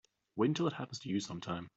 Wait until it happens to you sometime.